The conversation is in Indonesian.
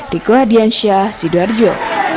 diko hadiansyah sidoarjo